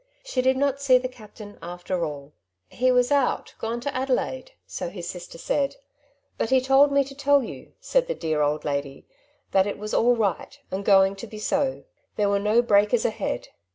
She did not see the captain after all. He was out, gone to Adelaide,'' so his sister said; but he told me to tell you," said the dear old Tom's Advice. i6^ lady, ^\ that it was all right, and going to be so ; there were no breakers ahead.